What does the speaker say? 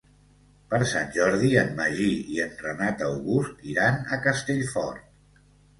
Per Sant Jordi en Magí i en Renat August iran a Castellfort.